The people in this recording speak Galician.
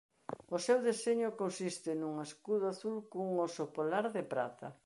O seu deseño consiste nun escudo azul cun oso polar de prata.